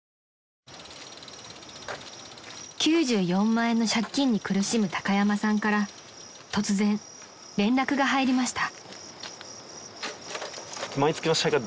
［９４万円の借金に苦しむ高山さんから突然連絡が入りました］